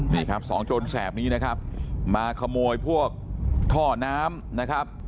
นี่ครับสองโจรแสบนี้นะครับมาขโมยพวกท่อน้ำนะครับ